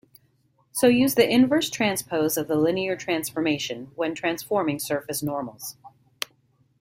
So use the inverse transpose of the linear transformation when transforming surface normals.